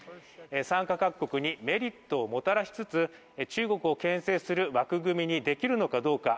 参加各国にメリットをもたらしつつ中国をけん制する枠組みにできるのかどうか。